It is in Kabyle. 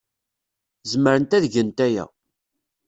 Zemrent ad gent aya.